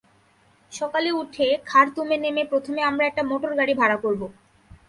সকালে উঠে খার্তুমে নেমে প্রথমে আমরা একটা মোটরগাড়ি ভাড়া করব।